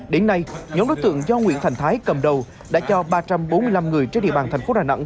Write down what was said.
đến nay nhóm đối tượng do nguyễn thành thái cầm đầu đã cho ba trăm bốn mươi năm người trên địa bàn thành phố đà nẵng